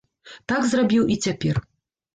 Так зрабіў і цяпер.